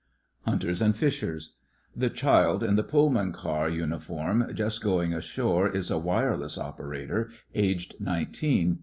HUNTERS AND FISHERS The child in the Pullman car uni form just going ashore is a wireless operator, aged nineteen.